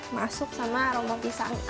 masuk sama aroma daun pisangnya